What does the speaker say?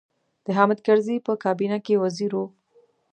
د حامد کرزي په کابینه کې وزیر و.